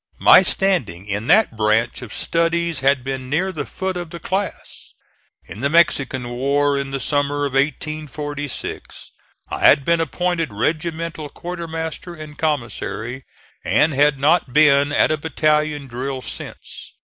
My standing in that branch of studies had been near the foot of the class. In the Mexican war in the summer of 1846, I had been appointed regimental quartermaster and commissary and had not been at a battalion drill since.